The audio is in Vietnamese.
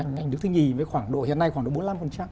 ngành nước thứ hai với khoảng độ hiện nay khoảng độ bốn mươi năm